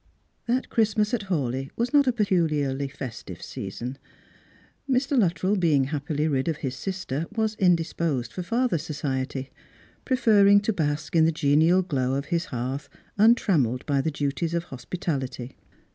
That Christmas at Hawleigh was not a peculiarly festive season. Mr. Luttrell being happily rid of his sister was indisposed for farther society, preferring to bask in the genial glow of his liearth untrammelled by the duties of hospitality.